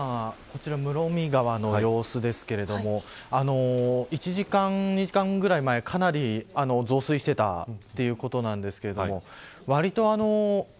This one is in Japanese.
今、こちら室見川の様子ですけれども１時間、２時間ぐらい前かなり増水していたということなんですけれども。